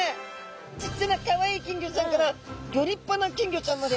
ちっちゃなかわいい金魚ちゃんからギョ立派な金魚ちゃんまで。